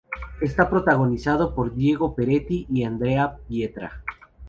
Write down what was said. Está protagonizado por Diego Peretti y Andrea Pietra.